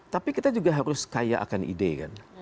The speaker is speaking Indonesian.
tapi kita juga harus kaya akan ide kan